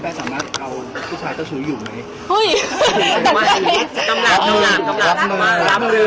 รับมือ